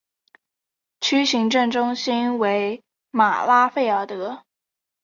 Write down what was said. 区行政中心为马拉费尔特。